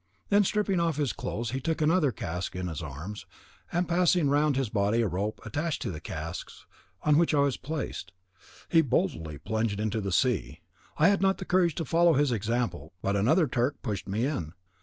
Then stripping off his clothes he took another cask in his arms, and passing round his body a rope attached to the casks on which I was placed, he boldly plunged into the sea. I had not the courage to follow his example, but another Turk pushed me in.